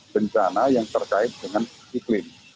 bencana yang terkait dengan iklim